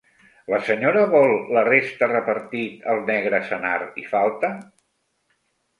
La senyora vol la resta repartit al negre, senar i falta?